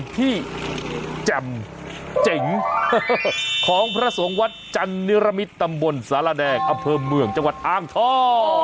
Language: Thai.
ที่แจ่มเจ๋งของพระสงฆ์วัดจันนิรมิตรตำบลสารแดงอำเภอเมืองจังหวัดอ้างทอง